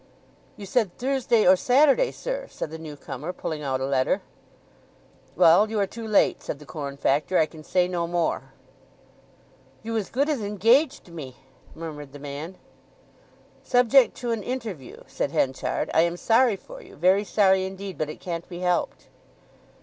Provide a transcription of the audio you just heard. "You said Thursday or Saturday, sir," said the newcomer, pulling out a letter. "Well, you are too late," said the corn factor. "I can say no more." "You as good as engaged me," murmured the man. "Subject to an interview," said Henchard. "I am sorry for you—very sorry indeed. But it can't be helped."